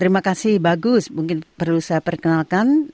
masih bagus mungkin perlu saya perkenalkan